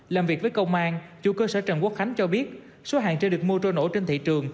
làm việc với công an chủ cơ sở trần quốc khánh cho biết số hàng trên được mua trôi nổi trên thị trường